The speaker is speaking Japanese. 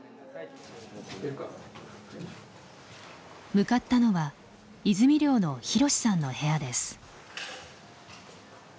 向かったのは泉寮のひろしさんの部屋です。